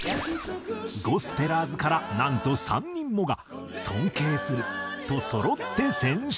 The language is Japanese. ゴスペラーズからなんと３人もが「尊敬する！」とそろって選出。